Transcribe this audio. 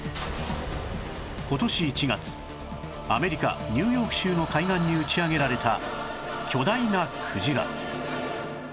今年１月アメリカニューヨーク州の海岸に打ち上げられた巨大なクジラ